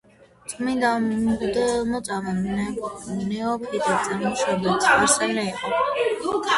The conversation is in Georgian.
წმიდა მღვდელმოწამე ნეოფიტე წარმოშობით სპარსელი იყო.